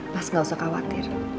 mas gak usah khawatir